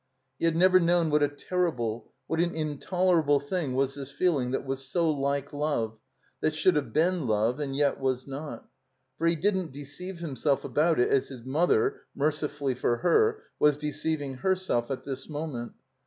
He had never known what a terrible, what an intolerable thing was this feeling that was so like love, that should have been love and yet was not. For he didn't deceive himself about it as his mother (mercifully for her) was deceiving herself at this moment.